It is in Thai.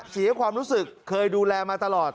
เสียความรู้สึกเคยดูแลมาตลอด